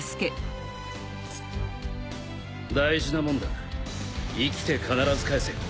大事なもんだ生きて必ず返せよ。